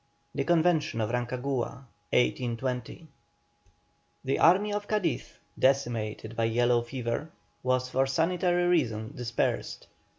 THE CONVENTION OF RANCAGUA. 1820 The army of Cadiz, decimated by yellow fever, was for sanitary reasons dispersed.